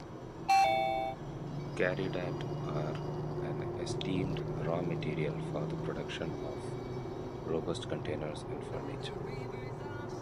"Garidat" are an esteemed raw material for the production of robust containers and furniture.